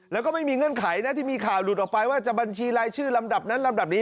แล้วก็ไม่มีเงื่อนไขนะที่มีข่าวหลุดออกไปว่าจะบัญชีรายชื่อลำดับนั้นลำดับนี้